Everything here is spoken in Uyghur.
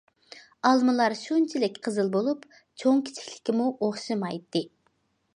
ئالمىلار شۇنچىلىك قىزىل بولۇپ، چوڭ- كىچىكلىكىمۇ ئوخشىمايتتى.